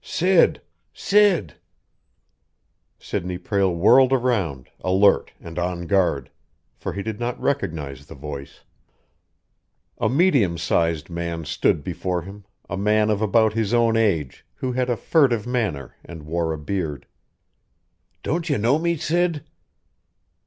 "Sid! Sid!" Sidney Prale whirled around, alert and on guard, for he did not recognize the voice. A medium sized man stood before him, a man of about his own age, who had a furtive manner and wore a beard. "Don't you know me, Sid?"